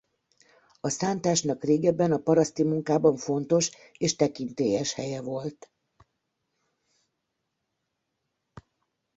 A szántásnak régebben a paraszti munkában fontos és tekintélyes helye volt.